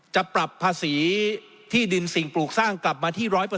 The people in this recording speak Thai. จะปรับภาษีที่ดินสิ่งปลูกสร้างกลับมาที่๑๐๐